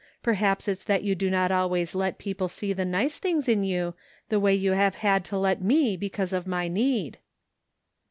Perhaps it's that you do not always let people see the nice things in you the way you have had to let me because of my need."